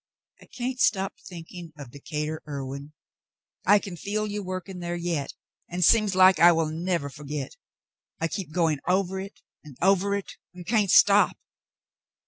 "I can't stop thinking of Decatur Irwin. I can feel you working there yet, and seems like I never will forget. I keep going over it and over it and can't stop.